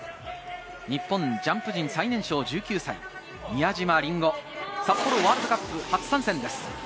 日本ジャンプ陣最年少の１９歳、宮嶋林湖、札幌ワールドカップ初参戦です。